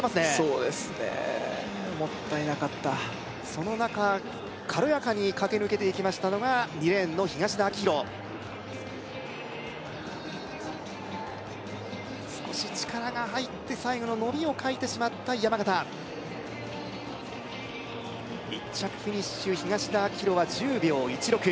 そうですねもったいなかったその中軽やかに駆け抜けていきましたのが２レーンの東田旺洋少し力が入って最後の伸びを欠いてしまった山縣１着フィニッシュ東田旺洋は１０秒１６